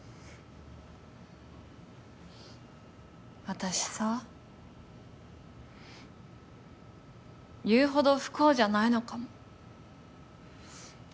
私さ言うほど不幸じゃないのかも。